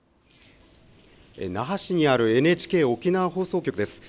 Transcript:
那覇市にあるＮＨＫ沖縄放送局です。